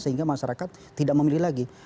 sehingga masyarakat tidak memilih lagi